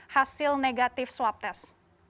hasil negatif swab test